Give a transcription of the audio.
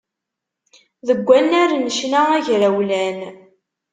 Deg wannar n ccna agrawlan.